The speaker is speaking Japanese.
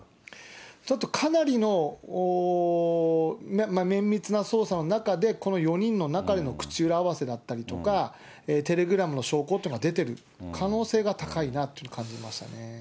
ちょっとかなりの綿密な捜査の中で、この４人の中での口裏合わせだったりとか、テレグラムの証拠というのが出てる可能性が高いなって感じました